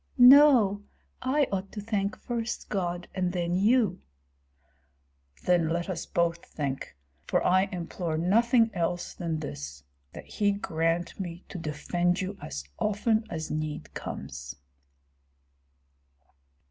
"No, I ought to thank first God, and then you." "Then let us both thank; for I implore nothing else than this, that he grant me to defend you as often as need comes."